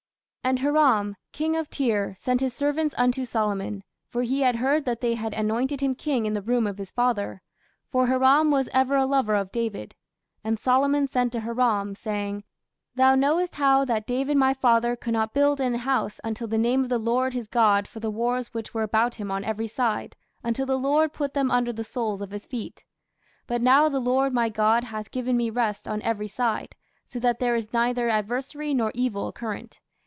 And Hiram king of Tyre sent his servants unto Solomon; for he had heard that they had anointed him king in the room of his father: for Hiram was ever a lover of David. And Solomon sent to Hiram, saying, Thou knowest how that David my father could not build an house unto the name of the Lord His God for the wars which were about him on every side, until the Lord put them under the soles of his feet. But now the Lord my God hath given me rest on every side, so that there is neither adversary nor evil occurrent.